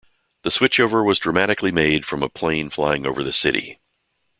The switchover was dramatically made from a plane flying over the city.